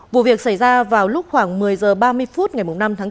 vụ việc xảy ra vào lúc khoảng một mươi h ba mươi phút ngày năm tháng bốn